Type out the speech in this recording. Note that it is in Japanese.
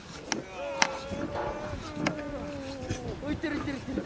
行ってる行ってる行ってる。